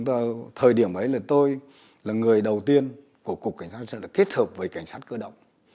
thời điểm ấy là tôi là người đầu tiên của cục cảnh sát đã kết hợp với cảnh sát cơ động